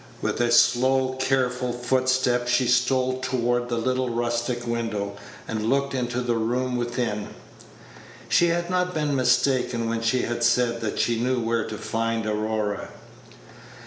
With a slow, careful footstep, she stole toward the little rustic window, and looked into the room within. She had not been mistaken when she had said that she knew where to find Aurora.